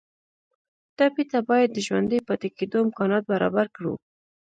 ټپي ته باید د ژوندي پاتې کېدو امکانات برابر کړو.